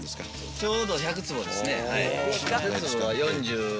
ちょうど１００坪ですね。